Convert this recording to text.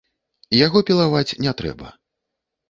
Яго пілаваць не трэба.